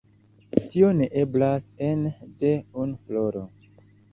Tio ne eblas ene de unu floro.